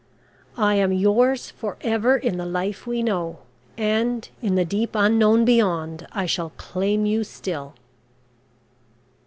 I am yours for ever in the life we know, and in the deep Unknown beyond I shall claim you still!"